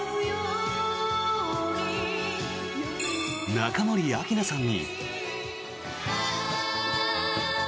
中森明菜さんに。